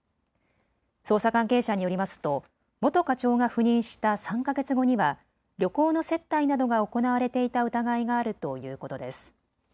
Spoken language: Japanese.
捜査関係者によりますと元課長が赴任した３か月後には旅行の接待などが行われていた疑いがあるということです。